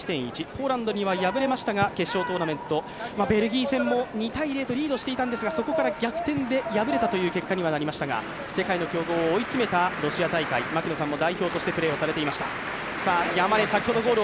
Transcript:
ポーランドには敗れましたが決勝トーナメント、ベルギー戦も２−０とリードしていたんですが、そこから逆転で敗れたという結果にはなりましたが世界の強豪を追い詰めたロシア大会槙野さんも代表としてプレーしていました。